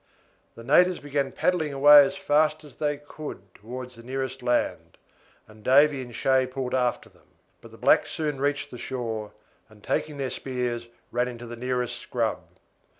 The natives began paddling away as fast as they could towards the nearest land, and Davy and Shay pulled after them; but the blacks soon reached the shore, and, taking their spears, ran into the nearest scrub.